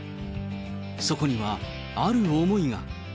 そこにはある思いが。